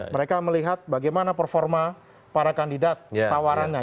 mereka melihat bagaimana performa para kandidat tawarannya